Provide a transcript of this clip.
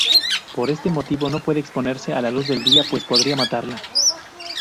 Por ese motivo no puede exponerse a la luz del día pues podría matarla.